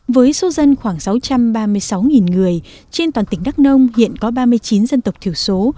với số dân khoảng sáu trăm ba mươi sáu người trên toàn tỉnh đắk nông hiện có ba mươi chín dân tộc thiểu số